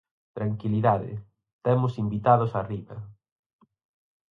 Tranquilidade, temos invitados arriba.